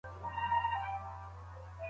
موږ پر یو نوي ډیزاین کار کوو.